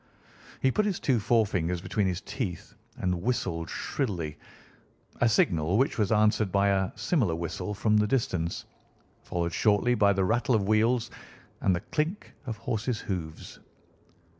He put his two forefingers between his teeth and whistled shrilly—a signal which was answered by a similar whistle from the distance, followed shortly by the rattle of wheels and the clink of horses' hoofs.